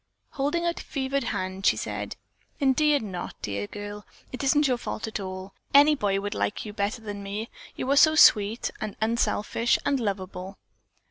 Holding out a fevered hand, she said: "Indeed not, dear girl. It isn't your fault at all. Any boy would like you better than me. You are so sweet and unselfish and lovable."